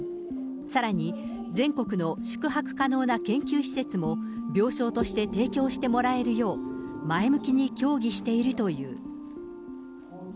さらに、全国の宿泊可能な研究施設も、病床として提供してもらえるよう、前向きに協議しているという。